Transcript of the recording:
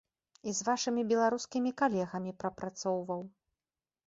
І з вашымі беларускімі калегамі прапрацоўваў.